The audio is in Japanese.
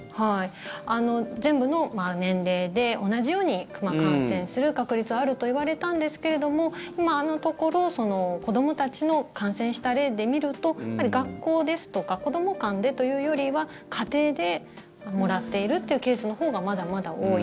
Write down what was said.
全部の年齢で同じように感染する確率があるといわれたんですけれども今のところ子どもたちの感染した例で見ると学校ですとか子ども間でというよりは家庭でもらっているというケースのほうがまだまだ多い。